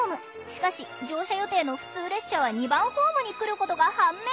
しかし乗車予定の普通列車は２番ホームに来ることが判明。